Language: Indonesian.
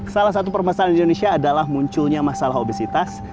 salah satu permasalahan di indonesia adalah munculnya masalah obesitas